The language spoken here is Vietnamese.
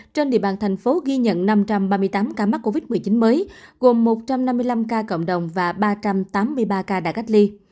trên địa bàn thành phố ghi nhận năm trăm ba mươi tám ca mắc covid một mươi chín mới gồm một trăm năm mươi năm ca cộng đồng và ba trăm tám mươi ba ca đã cách ly